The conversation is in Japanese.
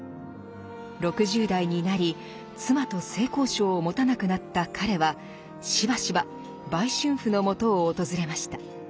６０代になり妻と性交渉を持たなくなった彼はしばしば売春婦のもとを訪れました。